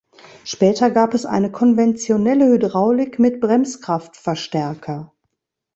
Später gab es eine konventionelle Hydraulik mit Bremskraftverstärker.